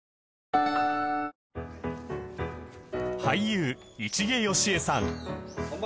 俳優市毛良枝さん